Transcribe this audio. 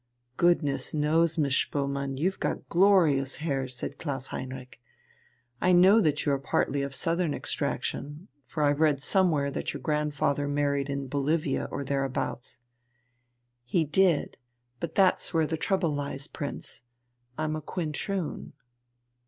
"Goodness knows, Miss Spoelmann, you've got glorious hair!" said Klaus Heinrich. "I know that you are partly of Southern extraction, for I've read somewhere that your grandfather married in Bolivia or thereabouts." "He did. But that's where the trouble lies, Prince. I'm a quintroon."